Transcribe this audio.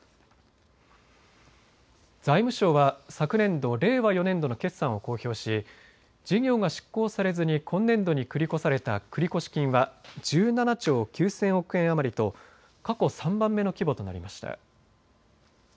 財務省は昨年度、令和４年度の決算を公表し事業が執行されずに今年度に繰り越された繰越金は１７兆９０００億円余りと過去３番目の規模となりました。